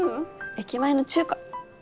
駅前の中華。